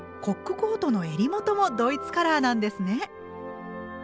コックコートの襟元もドイツカラーなんですね。